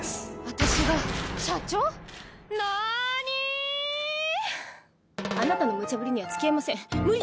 私が社長⁉なぁに⁉あなたのムチャブリには付き合えません無理です！